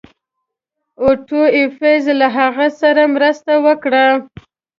اوټو ایفز له هغه سره مرسته وکړه.